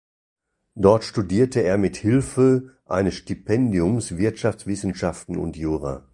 Dort studierte er mit Hilfe eines Stipendiums Wirtschaftswissenschaften und Jura.